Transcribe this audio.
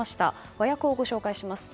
和訳をご紹介します。